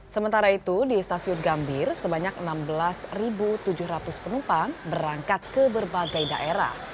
sementara itu di stasiun gambir sebanyak enam belas tujuh ratus penumpang berangkat ke berbagai daerah